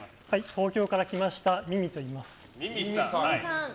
東京から来ましたミミといいます。